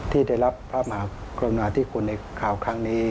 ที่ได้รับพระมหากรุณาธิคุณในข่าวครั้งนี้